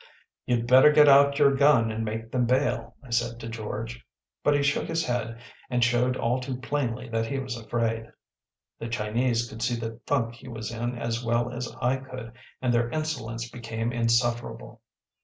“You’d better get out your gun and make them bail,‚ÄĚ I said to George. But he shook his head and showed all too plainly that he was afraid. The Chinese could see the funk he was in as well as I could, and their insolence became insufferable.